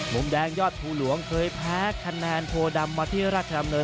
มุมแดงยอดภูหลวงเคยแพ้คะแนนโพดำมาที่ราชดำเนิน